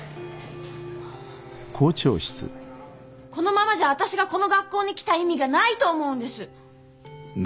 このままじゃ私がこの学校に来た意味がないと思うんです。